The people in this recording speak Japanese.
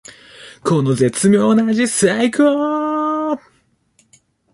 この絶妙な味さいこー！